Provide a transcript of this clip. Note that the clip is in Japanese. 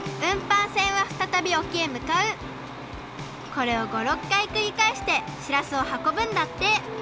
これを５６かいくりかえしてしらすをはこぶんだって！